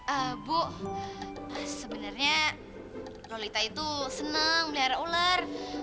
ah bu sebenarnya lolita itu senang melihara ular